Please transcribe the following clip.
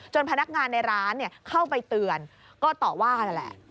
พนักงานในร้านเข้าไปเตือนก็ต่อว่านั่นแหละ